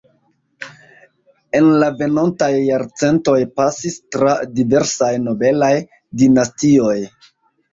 En la venontaj jarcentoj pasis tra diversaj nobelaj dinastioj.